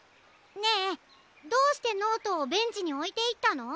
ねえどうしてノートをベンチにおいていったの？